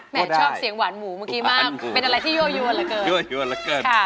แม่ชอบเสียงหวานหมูเมื่อกี้มากเป็นอะไรที่โยยวนเหลือเกิน